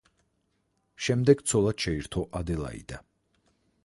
შემდეგ ცოლად შეირთო ადელაიდა.